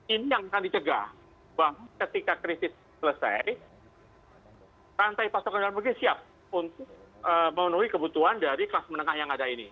ini yang akan dicegah bahwa ketika krisis selesai rantai pasokan dalam negeri siap untuk memenuhi kebutuhan dari kelas menengah yang ada ini